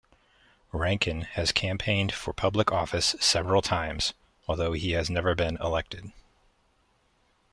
Rankin has campaigned for public office several times, although he has never been elected.